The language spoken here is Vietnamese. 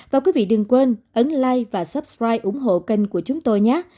và quý vị đừng quên ấn like và subscribe ủng hộ kênh của chúng tôi nhé